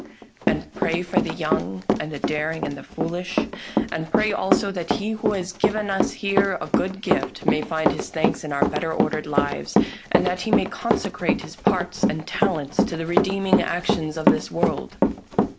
And pray for the young and the daring and the foolish. And pray also that he who has given us here a good gift may find his thanks in our better ordered lives, and that he may consecrate his parts and talents to the redeeming actions of this world."